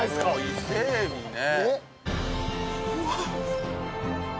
伊勢エビね。